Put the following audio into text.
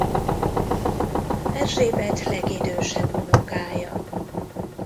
Erzsébet legidősebb unokája.